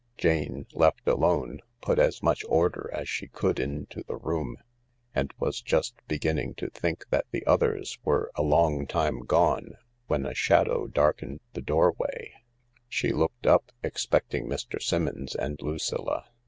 Jane, left alone, put as much order as she could into the room, and was just beginning to think that the others were a long time gone when a shadow darkened the doorwa|| She looked up, expecting Mr. Simmons and Lucilla.